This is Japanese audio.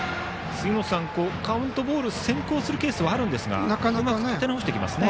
杉本さん、カウントがボール先行するケースありますがうまく立て直してきますよね。